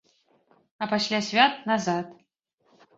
А пасля свят назад.